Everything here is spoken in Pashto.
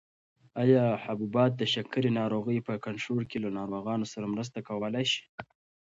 ایا حبوبات د شکرې ناروغۍ په کنټرول کې له ناروغانو سره مرسته کولای شي؟